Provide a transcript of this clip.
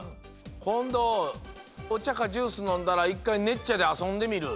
こんどおちゃかジュースのんだらいっかいねっちゃであそんでみる。